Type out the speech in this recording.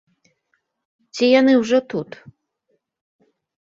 Ці яны ўжо тут?